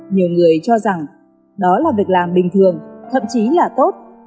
nhiều người cho rằng đó là việc làm bình thường thậm chí là tốt